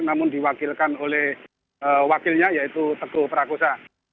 namun diwakilkan oleh wakilnya yaitu teguh prakosa